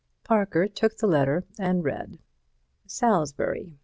Parker took the letter and read: Salisbury.